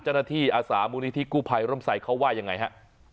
เจ้าหน้าที่อาสามูนิธิกู้ภัยร่มไส้เขาว่ายังไงฮะ